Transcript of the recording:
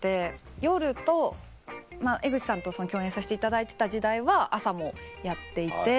夜と江口さんと共演させていただいてた時代は朝もやっていて。